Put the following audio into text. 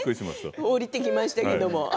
下りてきましたけど。